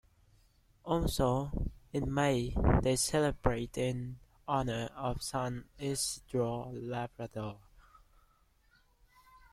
Also, in May they celebrate in honour of San Isidro Labrador.